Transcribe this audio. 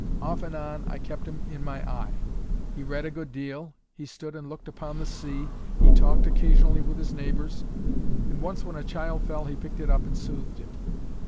Off and on, I kept him in my eye. He read a good deal, he stood and looked upon the sea, he talked occasionally with his neighbours, and once when a child fell he picked it up and soothed it.